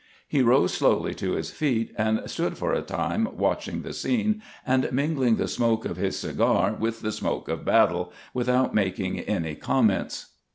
He rose slowly to his feet, and stood for a time watching the scene, and mingling the smoke of his cigar with the smoke of battle, without making any comments.